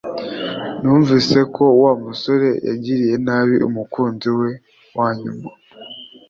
Numvise ko Wa musore yagiriye nabi umukunzi we wa nyuma